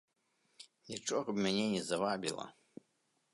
Нічога б мяне не завабіла.